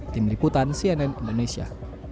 tim liputan cnn indonesia